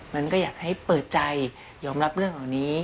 มันก็อยากให้เปิดใจยอมรับเรื่องเหล่านี้